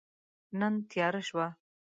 نن تیاره شوه